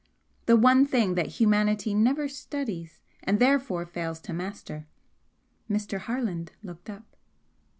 the one thing that humanity never studies, and therefore fails to master." Mr. Harland looked up.